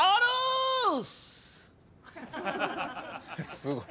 すごい。